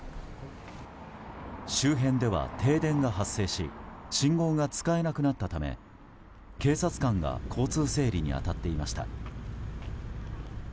周辺では停電が発生し信号が使えなくなったため警察官が交通整理に当たっていました。